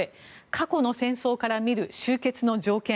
過去の戦争から見る終結の条件。